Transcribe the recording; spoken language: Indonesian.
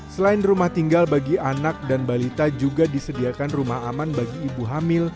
selain rumah tinggal bagi anak dan balita juga disediakan rumah aman bagi ibu hamil